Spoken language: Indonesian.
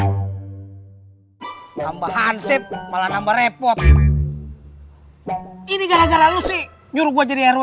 hai bambang hansip malah nambah repot ini gara gara lu sih nyuruh gua jadi rw